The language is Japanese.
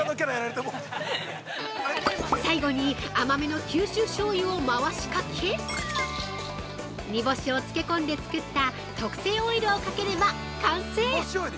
◆最後に、甘めの九州しょうゆを回しかけ煮干しを漬け込んで作った特製オイルをかければ完成。